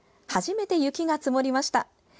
初めて雪が積もりました。